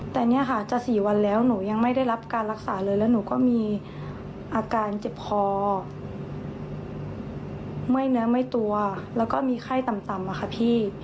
แต่เนี่ยค่ะจะ๔วันแล้วหนูยังไม่ได้รับการรักษาเลยแล้วหนูก็มีอาการเจ็บคอไม่เนื้อไม่ตัวแล้วก็มีไข้ต่ำอะค่ะพี่